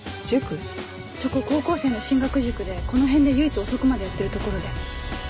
そこ高校生の進学塾でこの辺で唯一遅くまでやってる所で。